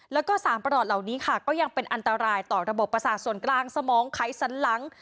แล้วก็สารประหลอดเหล่านี้ค่ะก็ยังเป็นอันตรายต่อระบบประสาทส่วนกลางสมองไขสันหลัง